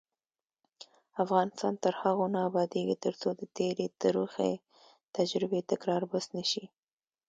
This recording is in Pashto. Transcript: افغانستان تر هغو نه ابادیږي، ترڅو د تېرې تروخې تجربې تکرار بس نه شي.